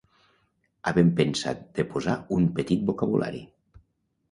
havem pensat de posar un petit vocabulari